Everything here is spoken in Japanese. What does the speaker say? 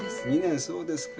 そうですか。